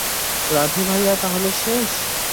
রাধে ভাইয়া তাহলে শেষ!